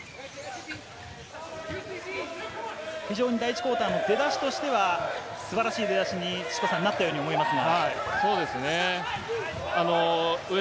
非常に第１クオーターの出だしとしては素晴らしい出だしになったように思いましたが。